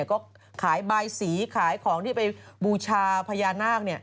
ก็ขายบายสีขายของที่ไปบูชาพญานาค